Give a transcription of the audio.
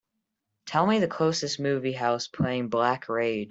Tell me the closest movie house playing Black Rage